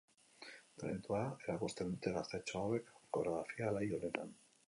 Talentua erakusten dute gaztetxo hauek koreografia alai honetan.